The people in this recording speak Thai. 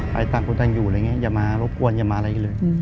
ไปต่างคุณท่านอยู่อย่ามารบกวนอย่ามาอะไรอีกเลย